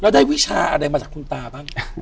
แล้วได้วิชาอะไรมาจากคุณตาบ้าง